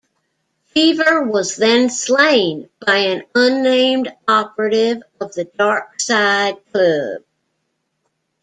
Fever was then slain by an unnamed operative of the Dark Side Club.